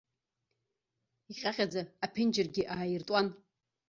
Иҟьаҟьаӡа аԥенџьыргьы ааиртуан.